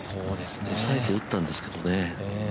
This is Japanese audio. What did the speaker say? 抑えて打ったんですけどね。